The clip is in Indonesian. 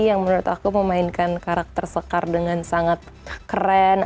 yang menurut aku memainkan karakter sekar dengan sangat keren